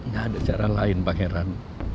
gak ada cara lain pangeran